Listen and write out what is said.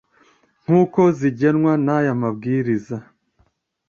nk uko zigenwa n aya Mabwiriza